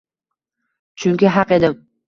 Chunki haq edim.